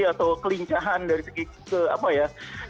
atau kelincahan dari segi ke apa ya